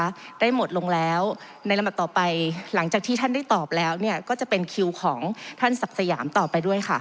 ได้หมดลงแล้วในลำดับต่อไปหลังจากที่ท่านได้ตอบแล้วเนี่ยก็จะเป็นคิวของท่านศักดิ์สยามต่อไปด้วยค่ะ